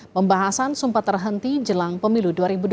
pembahasan sempat terhenti jelang pemilu dua ribu dua puluh